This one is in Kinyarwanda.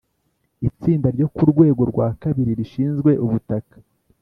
itsinda ryo ku rwego rwa kabiri rishinzwe ubutaka